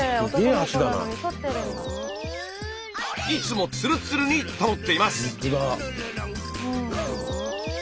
いつもツルツルに保っています。